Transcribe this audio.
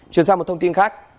chuyển sang một thông tin khác